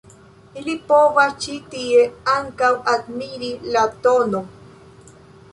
Ili povas ĉi tie ankaŭ admiri la tn.